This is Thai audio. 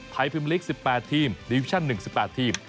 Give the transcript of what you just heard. ไทยภิมิลิกสิบแปดทีมดิวิชั่น๑สิบแปดทีม